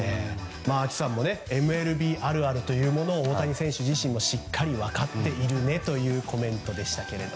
ＡＫＩさんもＭＬＢあるあるというものを大谷選手自身がしっかり分かっているねというコメントでした。